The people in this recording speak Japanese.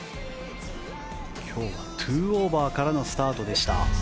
今日は２オーバーからのスタートでした。